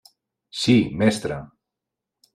Sí, mestre.